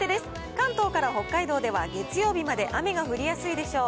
関東から北海道では、月曜日まで雨が降りやすいでしょう。